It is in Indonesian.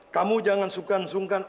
kamu jangan sungkan sungkan